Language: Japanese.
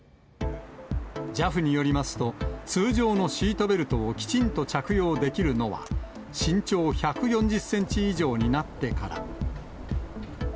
ＪＡＦによりますと、通常のシートベルトをきちんと着用できるのは、身長１４０センチ以上になってから。